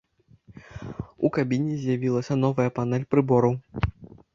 У кабіне з'явілася новая панэль прыбораў.